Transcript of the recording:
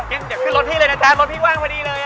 เดี๋ยวขึ้นรถที่เลยณแทนรถพี่แว่งพอดีเลยอะ